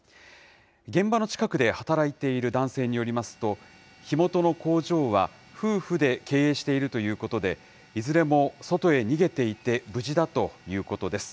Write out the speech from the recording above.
現場の近くで働いている男性によりますと、火元の工場は夫婦で経営しているということで、いずれも外へ逃げていて無事だということです。